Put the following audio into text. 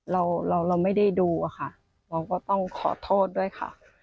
เราเราไม่ได้ดูอะค่ะเราก็ต้องขอโทษด้วยค่ะ